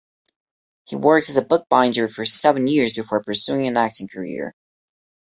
He worked as a book-binder for seven years before pursuing an acting career.